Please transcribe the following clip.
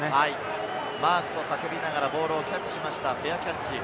マークと叫びながらボールをキャッチしました、フェアキャッチ。